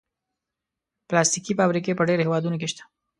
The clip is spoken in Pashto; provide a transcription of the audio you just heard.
پلاستيکي فابریکې په ډېرو هېوادونو کې شته.